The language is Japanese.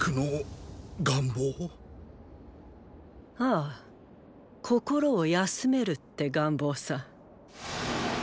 ああ心を休めるって願望さ。